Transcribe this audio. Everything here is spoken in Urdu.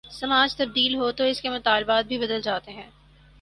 سماج تبدیل ہو تو اس کے مطالبات بھی بدل جاتے ہیں۔